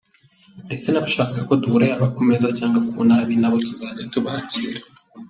Ndetse n’abashaka ko duhura yaba ku neza cyangwa ku nabi nabo tuzajya tubakira.